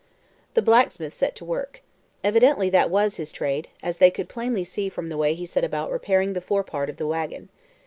The blacksmith set to work. Evidently that was his trade, as they could plainly see from the way he set about repairing the forepart of the wagon.